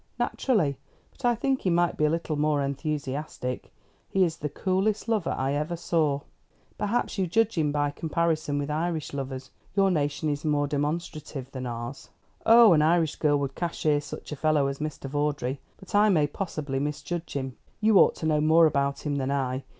"Naturally. But I think he might be a little more enthusiastic. He is the coolest lover I ever saw." "Perhaps you judge him by comparison with Irish lovers. Your nation is more demonstrative than ours." "Oh, an Irish girl would cashier such a fellow as Mr. Vawdrey. But I may possibly misjudge him. You ought to know more about him than I.